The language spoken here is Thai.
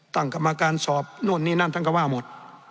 ตั้งกรรมการสอบนู่นนี่นั่นท่านก็ว่าหมด